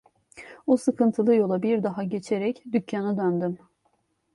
O sıkıntılı yolu bir daha geçerek dükkana döndüm.